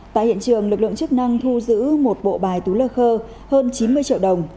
tại hiện trường lực lượng chức năng thu giữ một bộ bài tú lơ khơ hơn chín mươi triệu đồng